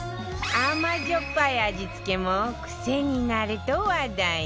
甘じょっぱい味付けもクセになると話題に